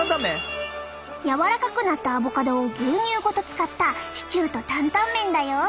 柔らかくなったアボカドを牛乳ごと使ったシチューとタンタン麺だよ！